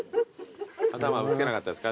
頭ぶつけなかったですか？